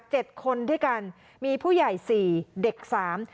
เจ็ดคนด้วยกันมีผู้ใหญ่สี่เด็กสาม